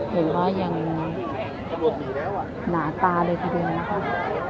เห็นว่ายังหนาตาเลยทีเดียวนะคะ